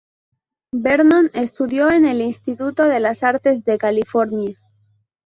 Vernon estudió en el "Instituto de las Artes de California".